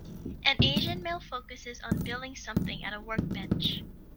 An Asian male focuses on building something at a workbench.